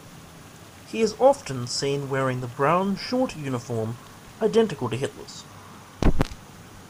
He is often seen wearing the brown short uniform identical to Hitler's.